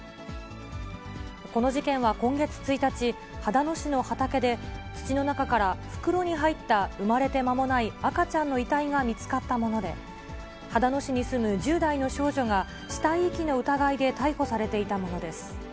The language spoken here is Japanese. この事件は今月１日、秦野市の畑で土の中から、袋に入った産まれて間もない赤ちゃんの遺体が見つかったもので、秦野市に住む１０代の少女が、死体遺棄の疑いで逮捕されていたものです。